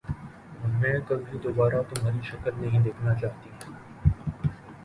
میں کبھی دوبارہ تمہاری شکل نہیں دیکھنا چاہتی۔